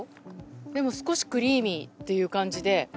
でも少しクリーミーという感じで。